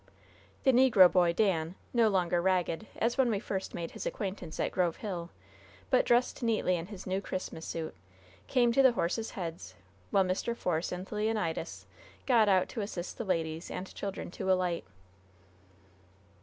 The negro boy, Dan, no longer ragged, as when we first made his acquaintance at Grove Hill, but dressed neatly in his new Christmas suit, came to the horses' heads, while Mr. Force and Leonidas got out to assist the ladies and children to alight.